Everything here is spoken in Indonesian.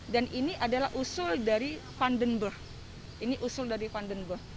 dan ini adalah usul dari vandenberg